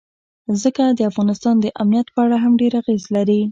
ځمکه د افغانستان د امنیت په اړه هم ډېر اغېز لري.